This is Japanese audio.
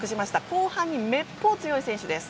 後半にめっぽう強い選手です。